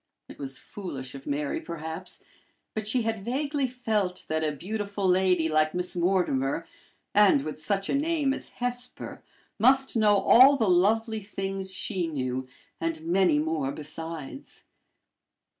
It was foolish of Mary, perhaps, but she had vaguely felt that a beautiful lady like Miss Mortimer, and with such a name as Hesper, must know all the lovely things she knew, and many more besides.